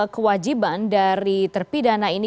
kewajiban dari terpidana ini